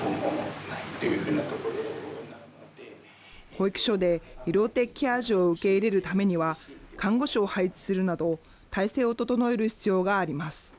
保育所で医療的ケア児を受け入れるためには、看護師を配置するなど、体制を整える必要があります。